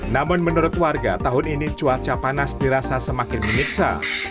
namun menurut warga tahun ini cuaca panas dirasa semakin menyiksa